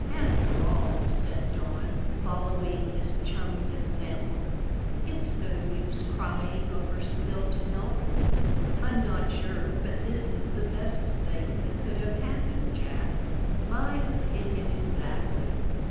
"After all," said Don, following his chum's example, "it's no use crying over spilt milk. I'm not sure but this is the best thing that could have happened, Jack." "My opinion exactly.